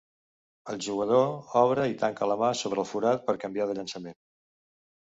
El jugador obre i tanca la mà sobre el forat per canviar de llançament.